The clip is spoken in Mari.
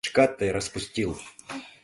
Шкат тый распустил...